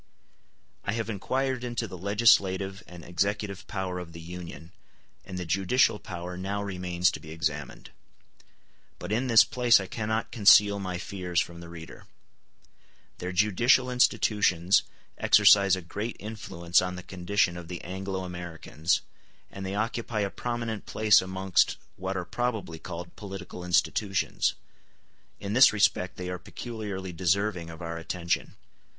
I have inquired into the legislative and executive power of the Union, and the judicial power now remains to be examined; but in this place I cannot conceal my fears from the reader. Their judicial institutions exercise a great influence on the condition of the Anglo Americans, and they occupy a prominent place amongst what are probably called political institutions: in this respect they are peculiarly deserving of our attention.